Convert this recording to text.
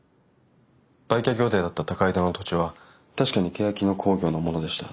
売却予定だった高井戸の土地は確かにけやき野興業のものでした。